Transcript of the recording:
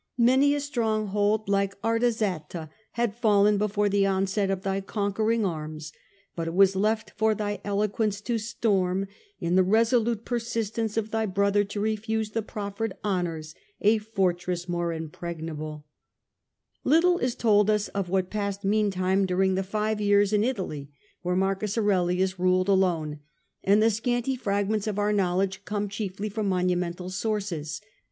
Many a stronghold like Artaxata had fallen before the onset of thy conquering arms, but it was left for thy eloquence to storm, in the resolute persistence of thy brother to refuse the proffered honours, a fortress more impregnable.' Little is told us of what passed meantime during the A.D. 92 The Age of the A ntomnes. five years in Italy, where Marcus Aurelius ruled alone ; M. Aurelius scanty fragments of our knowledge meantime conie chiefly from monumental sources.